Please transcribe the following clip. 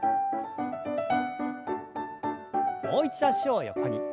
もう一度脚を横に。